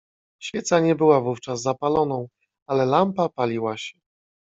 "Świeca nie była wówczas zapaloną, ale lampa paliła się."